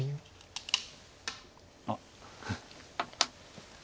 あっ。